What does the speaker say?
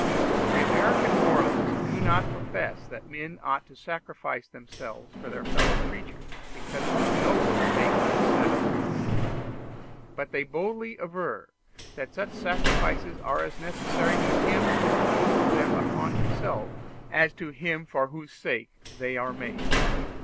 The American moralists do not profess that men ought to sacrifice themselves for their fellow creatures because it is noble to make such sacrifices; but they boldly aver that such sacrifices are as necessary to him who imposes them upon himself as to him for whose sake they are made.